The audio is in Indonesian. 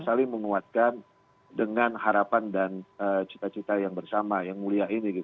saling menguatkan dengan harapan dan cita cita yang bersama yang mulia ini